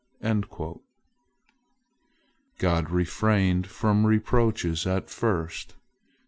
" God refrained from reproaches at first.